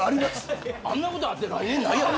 あんなことあって来年ないやろ。